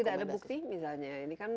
kalau tidak ada bukti misalnya